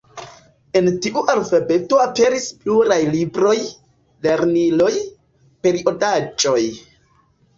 En tiu alfabeto aperis pluraj libroj, lerniloj, periodaĵoj.